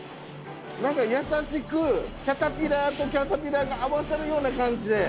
何か優しくキャタピラーとキャタピラーが合わさるような感じで。